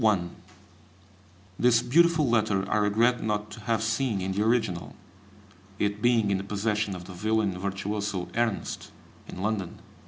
[Footnote 1: This beautiful letter I regret not to have seen in the original, it being in the possession of the violin virtuoso Ernst, in London.